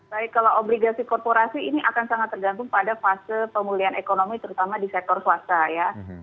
baik kalau obligasi korporasi ini akan sangat tergantung pada fase pemulihan ekonomi terutama di sektor swasta ya